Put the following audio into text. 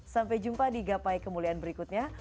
sampai jumpa di gapai kemuliaan berikutnya